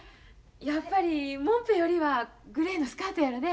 やっぱりもんぺよりはグレーのスカートやろね？